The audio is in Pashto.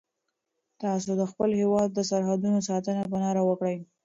تاسو د خپل هیواد د سرحدونو ساتنه په نره وکړئ.